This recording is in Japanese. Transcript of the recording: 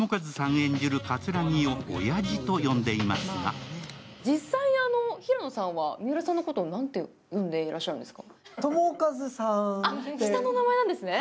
演じる桂木をおやじと呼んでいますが実際に平野さんは三浦さんのことを何て呼んでらっしゃるんですか？